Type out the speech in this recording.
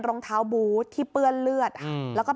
พอหลังจากเกิดเหตุแล้วเจ้าหน้าที่ต้องไปพยายามเกลี้ยกล่อม